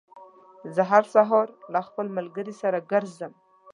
زه هره ورځ سهار له خپل ملګري سره ګرځم.